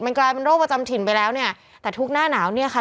กลายเป็นโรคประจำถิ่นไปแล้วเนี่ยแต่ทุกหน้าหนาวเนี่ยค่ะ